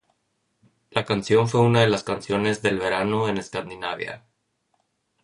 La canción fue una de las canciones del verano en Escandinavia.